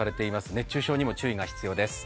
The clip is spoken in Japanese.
熱中症にも注意が必要です。